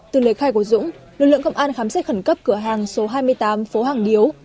từ lời khai của dũng lực lượng công an khám xét khẩn cấp cửa hàng số hai mươi tám phố hàng điếu